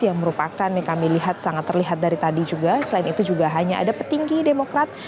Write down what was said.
yang merupakan yang kami lihat sangat terlihat dari tadi juga selain itu juga hanya ada petinggi demokrat